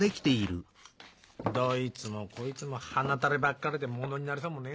どいつもこいつもはな垂ればっかりでものになりそうもねえ